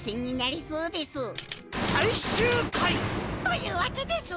最終回！というわけです。